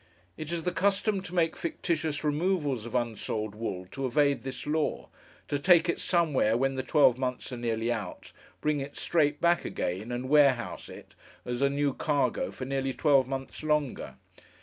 It is the custom to make fictitious removals of unsold wool to evade this law; to take it somewhere when the twelve months are nearly out; bring it straight back again; and warehouse it, as a new cargo, for nearly twelve months longer.